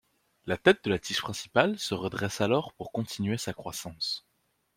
La tête de la tige principale se redresse alors pour continuer sa croissance.